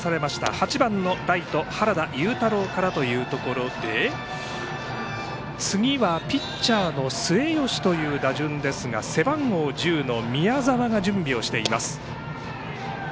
８番、ライト、原田悠太郎からというところで次はピッチャーの末吉という打順ですが背番号１０の宮澤が準備をしています。